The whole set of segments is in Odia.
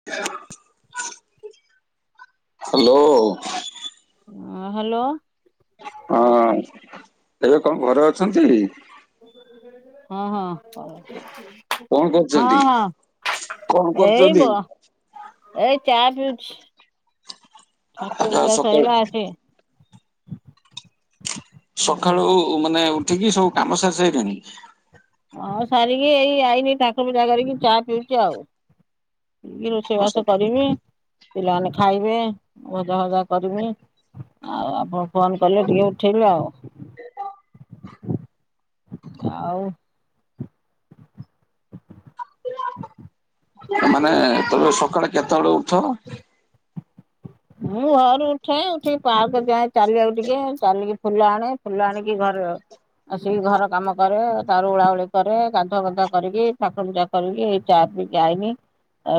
[unintelligible] ହ୍ୟାଲୋ। ହ୍ୟାଲୋ। ହଁ ଏବେ କଣ ଘରେ ଅଛନ୍ତି? ହଁ ହଁ। କଣ ହଁ କରୁଛନ୍ତି? କଣ ହଁ କରୁଛନ୍ତି? ଏଇବ ଏଇ ଚା ପିଉଛି ଠାକୁର ଆଚ୍ଛା ପୂଜା ସକାଳୁ ସଇଲା [inaudible] ସକାଳୁ ମାନେ ଉଠିକି ସବୁ କାମ ସାରିସାଇଲେଣି? ହଁ ସାରିକି ଏଇ ଆଇନି ଠାକୁର ପୂଜା କରିକି ଚା ପିଉଛି ଆଉ ଯିବି ରୋ ରୋଷଇ ବାସ କରିମୀ ପିଲାମାନେ ଖାଇବେ ଭଜା ଭଜା କରିମୀ। ଆଉ ଆପଣ ଫୋନ୍ କଲେ ଟିକେ ଉଠେଇଲେ ଆଉ। ଆଉ ମାନେ ତମେ ସକାଳେ କେତେବେଳେ ଉଠ? ମୁଁ ଭୋରୁ ଉଠେ ଉଠିକି ପାର୍କ ଯାଏ ଚାଲିବାକୁ ଟିକେ ଚାଲିକି ଫୁଲ ଆଣେ। ଫୁଲ ଆଣିକି ଘରେ ଆସିକି ଘର କାମ କରେ ତାର ଉଳାଉଳି କରେ ଗାଧୁଆ ପାଧୁଆକରିକି ଠାକୁର ପୂଜା କରିକି ଏଇ ଚା ପିଇକି ଆଇନି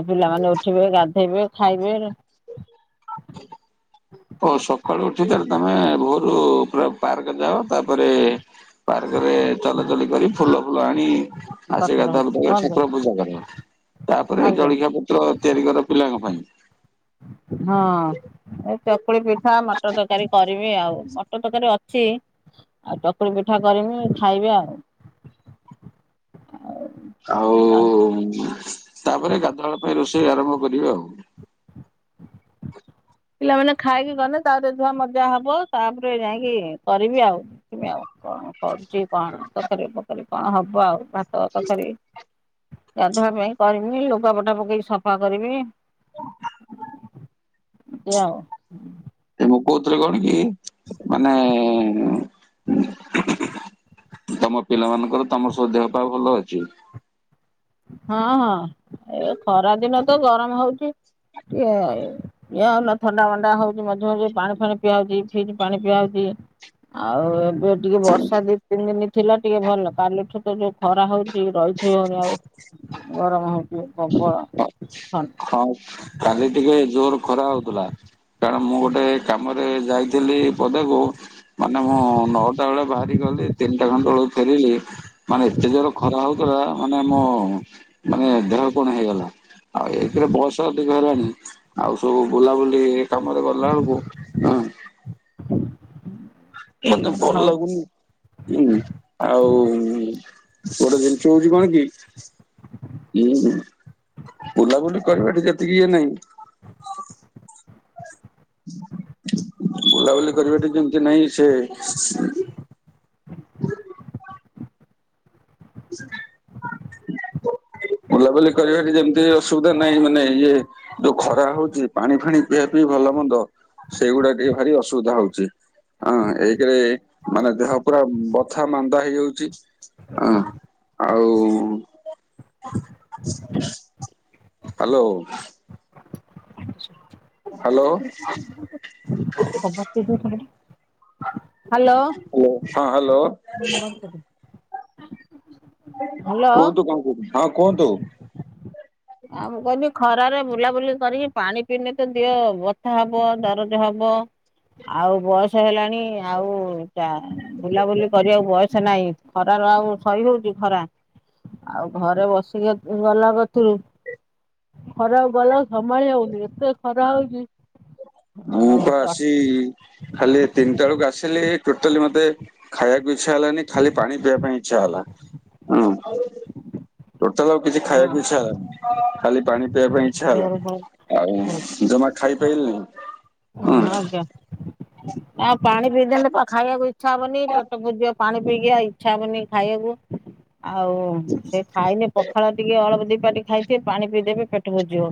ପିଲାମାନେ ଉଠିବେ ଗାଧେଇବେ ଖାଇବେ। ଓ ସକାଳୁ ଉଠି ତାହେଲେ ତମେ ଭୋରୁ ପୁରା ପାର୍କ ଯାଅ ତାପରେ ପାର୍କରେ ଚଲାଚଲି କରି ଫୁଲ ଫୁଲ ଆଣି ଆସିକି ଗାଧୁଆ କଟର ପାଧୁଆ ହଉଛି ବନ୍ଦ କରିକିଠାକୁର ପୂଜା କର ତାପରେ ଆଜ୍ଞା ଜଳଖିଆ ପତ୍ର ତିଆରି କର ପିଲାଙ୍କ ପାଇଁ। ହଁ ଏ ଚକୁଳି ପିଠା ମଟର ତରକାରୀ କରିବି ଆଉ। ମଟର ତରକାରୀ ଅଛି ଆଉ ଚକୁଳି ପିଠା କରିମି ଖାଇବେ ଆଉ। ଆଉ ତାପରେ ଗାଧୁଆ ବେଳପାଇଁ ରୋଷେଇ ଆରମ୍ଭ କରିବେ ଆଉ। ପିଲାମାନେ ଖାଇକି ଗଲେ ତାରେ ଧୁଆ ମଜା ହବ ତାପରେ ଯାଇଁକି କରିବି ଆଉ। [unintelligible] ଆଉ କଣ। କରୁଚି କଣ ତକାରୀ ଫକାରୀ କଣ ହବ ଆଉ, ଭାତ ତକାରୀ। ଗାଧୁଆ ପାଇଁ କରିବି, ଲୁଗାପଟା ପକେଇକି ସଫା କରିବି। [unintelligible] ଆଉ। ଏ ମୁଁ କହୁଥିଲି କଣ କି ମାନେ ତମ ପିଲାମାନଙ୍କର ତମର ସବୁ ଦେହ ପା ଭଲ ଅଛି? ହଁ-ହଁ ଏ ଖରା ଦିନ ତ ଗରମ୍ ହଉଚି [unintelligible] ଇଏ ଆଉ ଥଣ୍ଡା ମଣ୍ଡା ହଉଚି ମଝିରେ-ମଝିରେ ପାଣି ଫଣି ପିଆ ହଉଚି, ଫ୍ରିଜ୍ ପାଣି ପିଆ ହଉଚି। ଆଉ ଏବେ ଟିକେ ବର୍ଷା ଦି ତିନି ଦିନ ଥିଲା ଟିକେ ଭଲ, କାଲିଠୁ ତ ଯୋଉ ଖରା ହଉଚି ର ହି ହଉନି ଆଉ। ଗରମ ହଉଚି ପବଳ। ହଁ କାଲି ଟିକେ ଜୋର ଖରା ହଉଥିଲା। କାରଣ ମୁଁ ଗୋଟେ କାମରେ ଯାଇଥିଲି ପଦାକୁ। ମାନେ ମୁଁ ନଅଟା ବେଳେ ବାହାରି ଗଲି ତିନିଟା ଖଣ୍ଡେ ବେଳକୁ ଫେରିଲି। ମାନେ ଏତେ ଯୋର ଖରା ହଉଥିଲା, ମାନେ ମୁଁ ମାନେ ଦେହ କଣ ହେଇଗଲା, ଆଉ ଏ [unintelligible] ବୟସ ଅଧିକ ହେଲାଣି, ଆଉ ସବୁ ବୁଲାବୁଲି ଏ କାମରେ ଗଲା ବେଳୁକୁ ମାନେ ଭଲ ହଉ ଲାଗୁନି। ହୁଁ ଆଉ ଗୋଟେ ଜିନିଷ ହଉଚି କଣ କି? [unintelligible] ବୁଲାବୁଲି କରିବାଟା ଯେତିକି ଇଏ ନାହିଁ ବୁଲାବୁଲି କରିବାଟା ଯେମ୍ତି ନାହିଁ ସେ [inaudible] ବୁଲାବୁଲି କରିବାରେ ଯେମ୍ତି ଅସୁବିଧା ନାହିଁ, ମାନେ ଇଏ ଯୋଉ ଖରା ହଉଚି ପାଣି ଫାଣି ପିଆ ପିଇ ଭଲ ମନ୍ଦ ସେଇଗୁଡା ଟିକେ ଭାରି ଅସୁବିଧା ହଉଚି। ହଁ ଏକେରେ ମାନେ ଦେହ ପୁରା ବଥା ମାନ୍ଦା ହେଇଯାଉଚି ଆଉ ହାଲୋ। ହାଲୋ। ହାଲୋ। ହଁ ହାଲୋ। ହ୍ୟାଲୋ। ହଁ କୁହନ୍ତୁ। ଆଉ ମୁଁ କହିଲି ଖରାରେ ବୁଲାବୁଲି କରିକି ପାଣି ପିଇିନେ ତ ଦିଅ ବଥା ହବ ଦରଜ ହବ ଆଉ ବୟସ ହେଲାଣି, ଆଉ ଟା ବୁଲାବୁଲି କରିବାକୁ ବୟସ ନାହିଁ। ଖରାରୁ ଆଉ ସହି ହଉଚି ଖରା, ଆଉ ଘରେ ବସିକି ଗଲା [unintelligible] ଖରାକୁ ଗଲାକୁ ସମାଳି ହଉନି, ଏତେ ଖରା ହଉଚି। ମୁ ପା ଆସି ଖାଲି ଏ ତିନିଟା ବେଳୁକୁ ଆସିଲି ଟୋଟାଲି ମତେ ଖାଇବାକୁ ଇଚ୍ଛା ହେଲାନି ଖାଲି ପାଣି ପିଇବା ପାଇଁ ଇଚ୍ଛା ହେଲା। ଟୋଟାଲ ଆଉ କିଛି ଖାଇବାକୁ ଇଚ୍ଛା ହେଲାନି, ଖାଲି ପାଣି ପିଇବା ପାଇଁ ଇଚ୍ଛା ହେଲା ହଁ। ଆଉ ଜମା ଖାଇପାଇଲି ନେଇଁ। ହଁ ଆଜ୍ଞା। ଆ ପାଣି ପିଇଦେଲେ ପା ଖାଇବାକୁ ଇଚ୍ଛା ହବନି ପେଟ ପୁରିଯିବ। ପାଣି ପିଇକି ଆ ଇଚ୍ଛା ହବନି ଖାଇଆକୁ। ଆଉ ସେ ଖାଇନେ ପଖାଳ ଟିକେ ଅଳପ ଦିପାଟି ଖାଇଥିବେ ପାଣି ପିଇଦେବେ ପେଟ ପୁରିଯିବ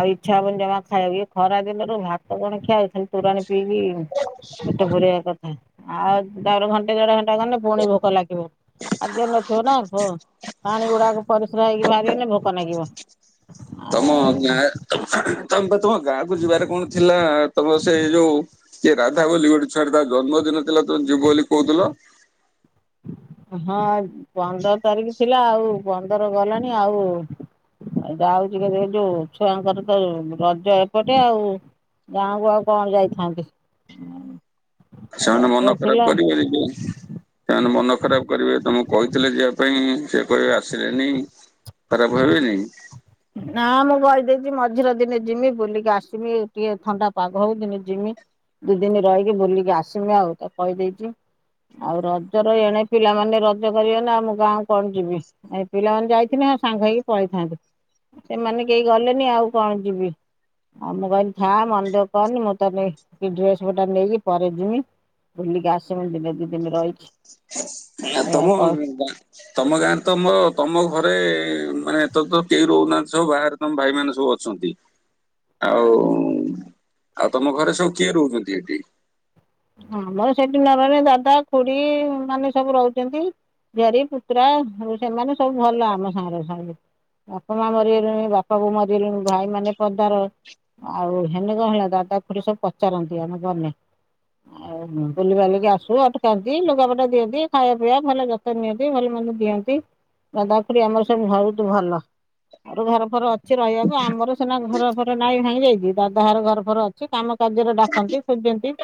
ଆଉ ଇଚ୍ଛା ହବନି ଜମା ଖାଇବାକୁ, ଇଏ ଖରା ଦିନରୁ ଭା ଆଉ କଣ ଖିଆ ହେଇଥିଲ ତୁରଣ ପିଇକି ପେଟ ଭରେଇବା କଥା। ଆଉ ତାର ଘଣ୍ଟେ ଦେଢ ଘଣ୍ଟା ଗନେ ପୁଣି ଭୋକ ଲାଗିବ ଆଉ ଦେହରେ ନଥିବ ନା ପ ପାଣି ଗୁଡାକ ପରିସ୍ରା ହେଇକି ବାହାରିଗନେ ଭୋକ ନାଗିବ। ତୋମ ଆଉ ଗାଁ ତମ ତୋମ ବା ତୋମ ଗାଁକୁୁ ଯିବାରେ କଣ ଥିଲା? ତୋମ ସେଇ ଯୋଉ କିଏ ରାଧା ବୋଲି ଗୋଟେ ଛୁଆଟେ ତା ଜନ୍ମଦିନ ଥିଲା ତୋମେ ଯିବ ବୋଲି କହୁଥିଲ? ହଁ ପନ୍ଦର ତାରିଖ ଥିଲା, ଆଉ ପନ୍ଦର ଗଲାଣି, ଆଉ ଏ ଯାଉଚି କେତେଳେ ଯୋଉ ଛୁଆଙ୍କର ତ ରଜ ଏପଟେ ଆଉ। ଗାଁକୁ ଆଉ କଣ ଯାଇଥାନ୍ତି। ସେମାନେ ରଜ ମନ ଖରାପ ଥିଲା କରିବେନି ଯୋଉ ସେମାନେ ମନ ଖରାପ କରିବେ, ତୋମକୁ କହିଥିଲେ ଯିବା ପାଇଁ ସେ କହିବେ ଆସିଲେନି। ଖରାପ ଭାବିବେନି କି? ନା ମୁଁ କହିଦେଇଚି ମଝିରେ ଦିନେ ଯିମି ବୁଲିକି ଆସିମି, ଟିକେ ଥଣ୍ଡା ପାଗ ହଉ ଦିନେ ଯିମି। ଦି ଦିନି ରହିକି ବୁଲିକି ଆସିମି ଆଉ ତାକୁ କହିଦେଇଚି। ଆଉ ରଜର ଏଣେ ପିଲାମାନେ ରଜ କରିବେ ନା ଆଉ ଗାଁ କଣ ଯିମି। ଏ ପିଲାମାନେ ଯାଇଥଥିନେ ଆଉ ସାଙ୍ଗ ହେଇକି ପଳେଇଥାଆନ୍ତି। ସେମାନେ କେହି ଗଲେନି ଆଉ କଣ ଯିବି। ଆଉ ମୁଁ କହିନି ଥା ମନ ଦୁଃଖ କରନି ମୁଁ ତ ନେ ଇ ଡ୍ରେସ୍ ପଟା ନେଇକି ପରେ ଯିମି। ବୁଲିକି ଆସିମି ଦିନେ ଦି ଦିନ ରହିଛି। ଆ, ତୋମ ଗାଁ ତୋମ ଗାଁରେ ତୋମ ତୋମ ଘରେ ମାନେ ଏତତ କେଇ ରହୁନାହାନ୍ତି, ସବୁ ବାହାରେ ତୋମ ଭାଇମାନେ ସବୁ ଅଛନ୍ତି। ଆଉ ଆଉ ତୋମ ଘରେ ସବୁ କିଏ ରହୁଛନ୍ତି ଏଠି? ଆମର ସେଠି ନରହିଲେ ଦାଦା ଖୁଡି ମାନେ ସବୁ ରହୁଚ। ନ୍ତି। ଝିଆରୀ ପୁତୁରା ଆଉ ସେମାନେ ସବୁ ଭଲ ଆମ ସାଙ୍ଗରେ ସାଙ୍ଗରେ। ବାପା ମା ମରିଗଲେଣି, ବାପା ବୋଉ ମରିଗଲେଣି ଭାଇ ମାନେ ପଦାରେ। ଆଉ ହେନେ କଣ ହେଲା ଦାଦା ଖୁଡି ସବୁ ପଚାରନ୍ତି ଆମେ ଗନେ। ଆଉ ହଁ ବୁଲିବାଲିକି ଆସୁ ଅଟକାନ୍ତି, ଲୁଗାପଟା ଦିଅନ୍ତି ଖାଇବା ପିଇବା, ଭଲ ଯ ତ ନିଅନ୍ତି ଭଲ ମନ୍ଦ ଦିଅନ୍ତି, ଦାଦା ଖୁଡି ଆମର ସବୁ ଭଉତୁ ଭଲ। ଆଉଠୁ ଘର ଫର ଅଛି ରହିବାକୁ, ଆମର ସିନା ଘର ଫର ନାଇଁ ଭାଙ୍ଗି ଯାଇଚି, ଦାଦା ଘର ଘର ଫର ଅ ଛି କାମ କାର୍ଯ୍ୟରେ ଡାକନ୍ତି, ଖୁଜନ୍ତି।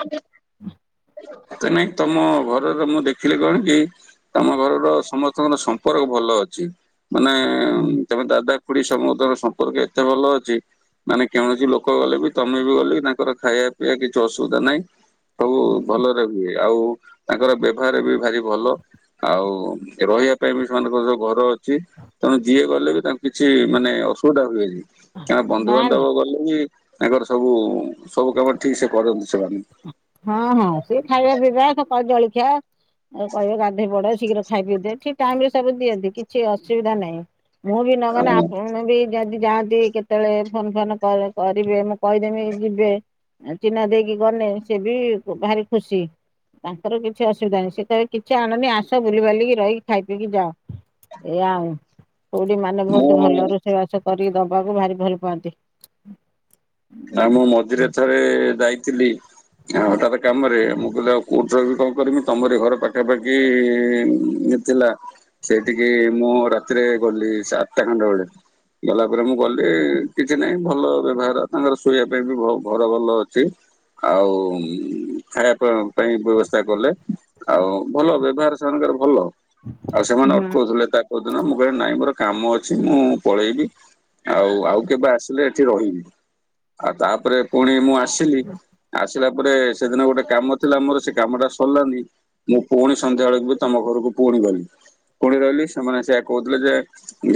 ତ ନାଇ ତୋମ ଘରର ମୁଁ ଦେଖିଲି କଣ କି ତୋମ ଘରର ସମସ୍ତଙ୍କର ସମ୍ପର୍କ ଭଲ ଅଛି, ମାନେ ଉଁ, ତୋମ ଦାଦା ଖୁଡି ସମତଙ୍କର ସମ୍ପର୍କ ଏତେ ଭଲ ଅଛି। ମାନେ କୌଣସି ଲୋକ ଗଲେ ବି ତୋମେ ବି ଗଲେ ବି ତାଙ୍କର ଖାଇବା ପିଇବା କିଛି ଅସୁବିଧା ନାହିଁ। ସବୁ ଭଲରେ ହୁଏ ଆଉ ତାଙ୍କର ବ୍ୟବହାର ବି ଭାରି ଭଲ। ଆଉ ରହିବା ପାଇଁ ବି ସେମାନଙ୍କ ଯୋଉ ଘର ଅଛି। ତେଣୁ ଯିଏ ଗଲେ ବି ତାଙ୍କୁ କିଛି ମାନେ ଅସୁବିଧା ହୁଏନି। ତାଙ୍କ ନା ନା ବନ୍ଧୁବାନ୍ଧବ ଗଲେ ବି ତାଙ୍କର ସବୁ, ସବୁ କାମ ଠିକ ସେ କରନ୍ତି ସେମାନେ। ହଁ, ହଁ ସିଏ ଖାଇବା ପିଇବା ସକାଳୁ ଜଳଖିଆ। ଆଉ କହିବେ ଗାଧେଇ ପଡ ଶୀଘ୍ର ଖାଇ ପିଇ ଦେ, ଠିକ ଟାଇମ୍ ରେ ସବୁ ଦିଅନ୍ତି କିଛି ଅସୁବିଧା ନାହିଁ। ମୁଁ ବି ନଗଲେ ଆଉ ଆପଣଙ୍କର ବି ଯଦି ଯାଆନ୍ତି କେତେବେଳେ ଫୋନ୍ ଫାନ କର କରିବେ ମୁଁ କହିଦେମି ଯିବେ। ଏ ଚିହ୍ନା ଦେଇକି ଗନେ ସିଏ ବି ବ-ଭାରି ଖୁସି। ତାଙ୍କର କିଛି ଅସୁବିଧା ନାହିଁ, ସେ କହିବେ କିଛି ଆଣନି ଆସ ବୁଲିିବାଲି କି ରହିକି ଖାଇ ପିଇକି ଯାଅ। ଏଇଆ ଆଉ। ଖୁଡୀ ମାନେ ବହୁତ ମୁଁ ଭଲ, ରୋଷେଇ ବାସ କରିକି ଦବାକୁ ଭାରି ଭଲ ପାଆନ୍ତି। ଆଉ ମୁଁ ମଝିରେ ଥରେ ଯାଇଥିଲି। ହଟାତ୍ କାମରେ ମୁଁ କହିଲି ଆଉ କୋଉଠି ରହିବି କଣ କରିବି ତମରି ଘର ପାଖାପାଖି ମୁଁ। ଥିଲା ସେଠିକି ମୁଁ ରାତିରେ ଗଲି ସେ ଆଠଟା ଖଣ୍ଡେ ବେଳେକୁ। ଗଲା ପରେ ମୁଁ ଗଲି କିଛି ନାହିଁ ଭଲ ବ୍ୟବହାର। ତାଙ୍କର ଶୋଇବା ପାଇଁ ବି ଘର ଭଲ ଅଛି। ଆଉ ଖାଇବା ପାଇଁ ବ୍ୟବସ୍ଥା କଲେ। ଆଉ ଭଲ ବ୍ୟବହାର ସେମାନଙ୍କର ଭଲ ଆଉ ହୁଁ ସେମାନେ ଅଟକାଉଥିଲେ ତ। କୋଉଦିନ ମୁଁ କହିଲି ନାଇଁ ମୋର କାମ ଅଛି ମୁଁ ପଳେଇବି। ଆଉ ଆଉ କେବେ ଆସିଲେ ଏଠି ରହିବି। ଆଉ ତାପରେ ପୁଣି ମୁଁ ଆସିଲି ଆସିଲା ପରେ ସେଦିନ ଗୋଟେ କାମ ଥିଲା ମୋର ସେ କାମଟା ସରିଲାନି। ମୁଁ ପୁଣି ସନ୍ଧ୍ୟା ବେଳକୁ ବି ତମ ଘରକୁ ପୁଣି ଗଲି ପୁଣି ରହିଲି ସେମାନେ ସେଇଆ କହୁଥିଲେ ଯେ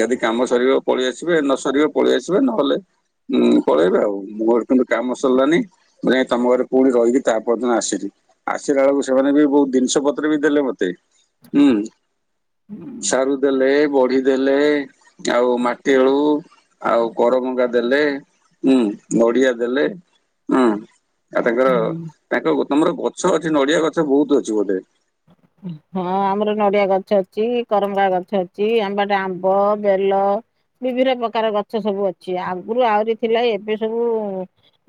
ଯଦି କାମ ସରିବ ପଳେଇ ଆସିବେ ନ ସରିବ ପଳେଇ ଆସିବେ ନହେଲେ ପଳେଇବେ ଆଉ। ମୋର କିନ୍ତୁ କାମ ସରିଲାନେହିଁ ମୁଁ ଯାଇକି ତମ ଘରେ ପୁଣି ରହିକି ତାପରଦିନ ଆସିଲି। ଆସିଲା ବେଳକୁ ସେମାନେ ବି ବହୁତ ଜିନିଷ ପତ୍ର ବି ଦେଲେ ମତେ ହୁଁ। ହୁଁ। ସାରୁ ଦେଲେ ବଢି ଦେଲେ ଆଉ ମାଟି ଆଳୁ। ଆଉ କରଭଙ୍ଗା ଦେଲେ ହୁଁ ନଡିଆ ଦେଲେ। ହୁଁ ଆଉ ତାଙ୍କର ହୁଁ। ତାଙ୍କ ତମର ଗଛ ଅଛି ନଡିଆ ଗଛ ବହୁତ ଅଛି ବୋଧେ। ହଁ ଆମର ନଡିଆ ଗଛ ଅଛି କରଭଙ୍ଗା ଗଛ ଅଛି ଆମପଟେ ଆମ୍ବ ବେଲ। ବିଭିନ୍ନ ପ୍ରକାର ଗଛ ସବୁ ଅଛି ଆଗରୁ ଆହୁରି ଥିଲା ଏବେ ସବୁ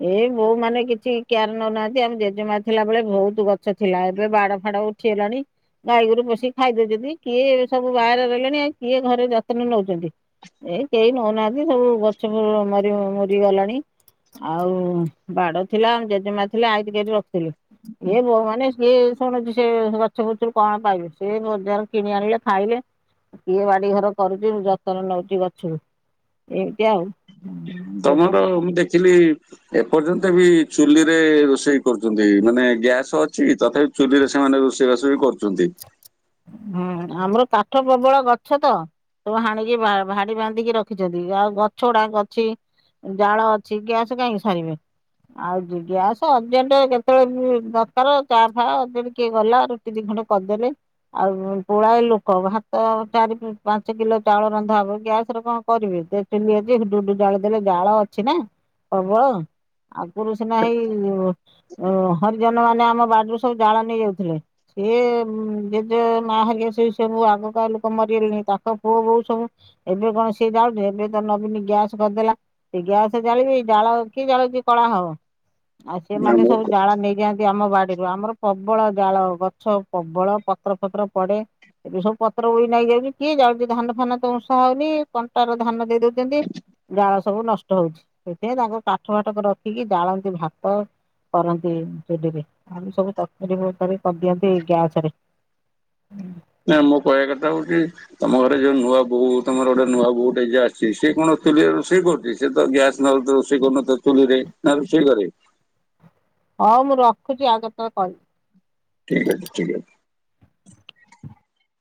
ଏଇ ବୋହୂ ମାନେ କିଛି କେୟାର ନଉନାହାନ୍ତି ଆମ ଜେଜେମା ଥିଲା ବେଳେ ବହୁତ ଗଛ ଥିଲା ଏବେ ବାଡ ଫାଡ ଉଠି ଗଲାଣି। ଗାଈ ଗୋରୁ ପଶିକି ଖାଇଦଉଛନ୍ତି କିଏ ଏ ସବୁ ବାହାରେ ରହିଲେଣି ଆଉ କିଏ ଘରେ ଯତ୍ନ ନଉଛନ୍ତି। ଏ କେହି ନଉନାହାନ୍ତି ସବୁ ଗଛ ମ ମରି ମରିଗଲାଣି। ଆଉ ବାଡ ଥିଲା ଆମ ଜେଜେମା ଥିଲା ଆଇତିି କରି ରଖିଥୁଲେ। ଏ ବୋହୁ ମାନେ ସିଏ ଶୁଣୁଚି। ସେ ଏ ଗଛ ପତ୍ର ରୁ କଣ ପାଇବେ ସେ ବଜାରୁ କିଣି ଆଣିଲେ ଖାଇବେ। କିଏ ବାଡି ଘର କରୁଚି ଯତ୍ନ ନଉଚି ଗଛକୁ ଏମିତି ଆଉ। ତମର ମୁଁ ଦେଖିଲି। ଏପର୍ଯ୍ୟନ୍ତ ବି ଚୁଲିରେ ରୋଷେଇ କରୁଚନ୍ତି ମାନେ ଗ୍ୟାସ ଅଛି ତଥାପି ଚୁଲିରେ ସେମାନେ ରୋଷେଇବାସ ବି କରୁଚନ୍ତି। ହଁ ଆମର କାଠ ପ୍ରବଳ ଗଛ ତ। ସବୁ ହାଣିକି ବା ଭାଡି ବାନ୍ଧିକି ରଖିଛନ୍ତି ଆଉ ଗଛ ଗୁଡାକ ଅଛି। ଜାଳ ଅଛି ଗ୍ୟାସ୍ କାହିଁକି ସାରିବେ। ଆଉ ଦୁ ଗ୍ୟାସ୍ ଅର୍ଜେଣ୍ଟେ କେତେବେଳେ ବାପାର ଚା ଫା ଅର୍ଜେଣ୍ଟେ କିଏ ଗଲା ରୁଟି ଦି ଖଣ୍ଡ କରିଦେବେ। ଆଉ ପୋଳାଏ ଲୋକ ଭାତ ଚାରି ପାଞ୍ଚ କିଲୋ ଚାଉଳ ରନ୍ଧା ହବ ଗ୍ୟାସ ରେ କଣ କରିବେଏ ତେ। ଚୁଲିରେ ଯେ ଢୋ ଢୋ ଜାଳ ଦେଲେ ଜାଳ ଅଛି ନା କରିଦବା। ଆଗରୁ ସିନା ହେଇ ଓ ହରିଜନ ମାନେ ଆମ ବାଡିରୁୁ ସବୁ ଜାଳ ନେଇ ଯାଉଥିଲେ ସିଏ। ହୁଁ ଜେଜେ ମା ହେରିକା ସେ ସବୁ ଆଗକାଳ ଲୋକ ମରିଗଲେଣି ତାଙ୍କ ପୁଅ ବୋଉ ସବୁ ଏବେ କଣ ସିଏ ଯାଉଚି ଏବେ ତ ନବୀନ ଗ୍ୟାସ କରିଦେଲା। ସେ ଗ୍ୟାସ ଜାଳିବେ ଜାଳ କିଏ ଜାଳୁଉଚି କଳା ହବ। ଆଉ ସେମାନେ ସବୁ ଜାଳ ନେଇଯାଆନ୍ତି ଆମ ବାଡିରୁ ଆମର ପ୍ରବଳ ଜାଳ ଗଛ। ପ୍ରବଳ ପତ୍ର ଫତ୍ର ପଡେ। ଏବେ ସବୁ ପତ୍ର ଉଇ ନାଗିଯାଉଚି କିଏ ଯାଉଚି ଧାନ ଫାନ ତ ଉଁଷା ହଉନି କଣ୍ଟାର ଧାନ ଦେଇ ଦଉଚନ୍ତି। ଜାଳ ସବୁ ନଷ୍ଟ ହଉଛି ସେଥିପାଇଁ ତାଙ୍କୁ କାଠ ଫାଠକୁ ରଖିକି ଜାଳନ୍ତି ଭାତ କରନ୍ତି ଚୁଲିରେ ଆହୁରି ସବୁ ତରକାରୀ ଫରକାରୀ କରିଦିଅନ୍ତି ଗ୍ୟା ସେରେ ଉଁ। ନା ମୋ କହିବା କଥା ହଉଚି ତମ ଘରେ ଯିଏ ନୂଆ ବୋହୂ ତମର ଗୋଟେ ନୂଆ ବୋହୂଟେ ଯିଏ ଆସିଚି ସିଏ କଣ ଚୁଲିରେ ରୋଷେଇ କରୁଚି। ସିଏ ତ ଗ୍ୟାସ୍ ନହେଲେ ତ ରୋଷେଇ କରୁନଥବ ଚୁଲିରେ ନା ରୋଷେଇ କରେ। ହଉ ମୁଁ ରଖୁଛି ଆଉ କେତେବେଳେ କରିବି। ଠିକ୍ ଅଛି ଠିକ୍ ଅଛି।